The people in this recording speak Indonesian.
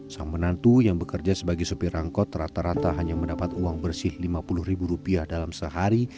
sang menantu yang bekerja sebagai sopir rangkot rata rata hanya mendapat uang bersih lima puluh ribu rupiah dalam sehari